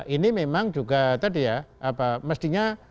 ini memang juga tadi ya